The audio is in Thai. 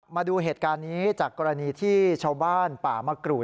มาดูเหตุการณ์นี้จากกรณีที่ชาวบ้านป่ามะกรูด